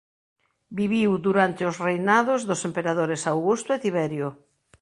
Viviu durante os reinados dos emperadores Augusto e Tiberio.